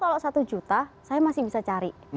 kalau satu juta saya masih bisa cari